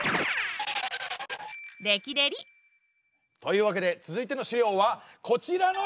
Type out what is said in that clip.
というわけで続いての資料はこちらの地図です！